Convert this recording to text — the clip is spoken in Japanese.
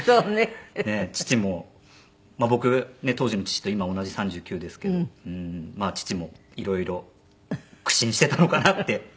父もまあ僕当時の父と今同じ３９ですけど父もいろいろ苦心してたのかなって。